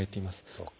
そうか。